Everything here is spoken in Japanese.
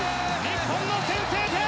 日本の先制点！